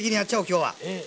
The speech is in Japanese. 今日は。